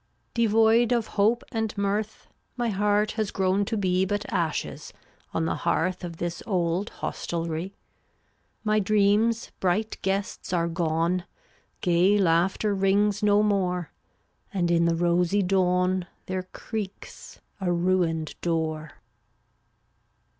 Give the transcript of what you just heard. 366 Devoid of hope and mirth, My heart has grown to be But ashes on the hearth Of this old hostelry. My dreams — bright guests — are gone Gay laughter rings no more, And in the rosy dawn There creaks a ruined door.